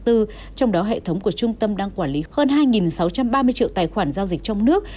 trong đó hệ thống của trung tâm đang quản lý hơn hai sáu trăm ba mươi triệu tài khoản giao dịch trong nước